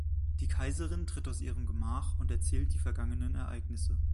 Die Kaiserin tritt aus ihrem Gemach und erzählt die vergangenen Ereignisse.